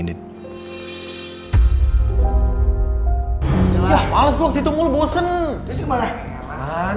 jangan lah males gue disitu mulu bosan